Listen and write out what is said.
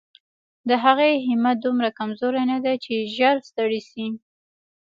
د هغې همت دومره کمزوری نه دی چې ژر ستړې شي.